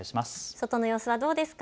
外の様子はどうですか。